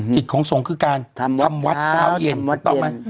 กิตของทรงคือการทำวัดเย็น